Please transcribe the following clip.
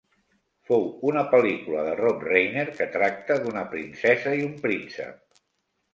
Fou una pel·lícula de Rob Reiner que tracta d'una princesa i un príncep.